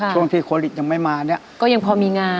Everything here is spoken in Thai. ช่วงที่โควิดยังไม่มาเนี่ยก็ยังพอมีงาน